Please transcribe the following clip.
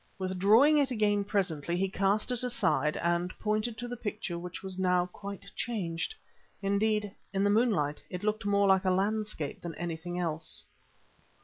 Withdrawing it again presently he cast it aside and pointed to the picture which was now quite changed. Indeed, in the moonlight, it looked more like a landscape than anything else.